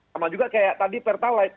sama juga kayak tadi pertalite